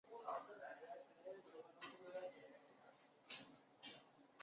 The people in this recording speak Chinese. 对杜兰身份的了解大多出自于杜兰的自述。